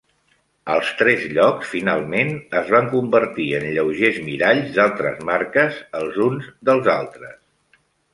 Els tres llocs, finalment, es van convertir en lleugers miralls d'altres marques, els uns dels altres.